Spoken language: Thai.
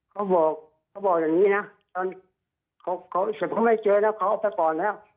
เขาบอกเขาบอกอย่างนี้นะตอนเขาไม่เจอแล้วเขาเอาไปก่อนแล้ว